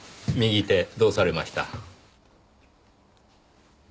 右手どうされました？